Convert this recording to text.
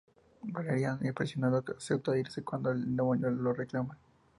Valerian, impresionado, acepta irse cuando el demonio le reclama.